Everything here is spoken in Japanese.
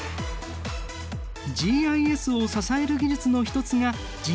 ＧＩＳを支える技術の一つがＧＰＳ。